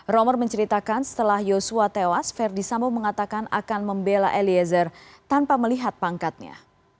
romor menceritakan setelah yosua tewas verdi sambo mengatakan akan membela eliezer tanpa melihat pangkatnya